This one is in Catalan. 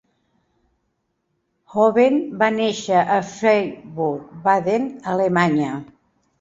Hoven va néixer a Friburg, Baden, Alemanya.